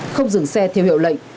không dừng xe theo hiệu lệnh